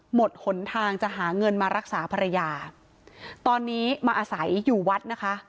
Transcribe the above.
หนทางจะหาเงินมารักษาภรรยาตอนนี้มาอาศัยอยู่วัดนะคะ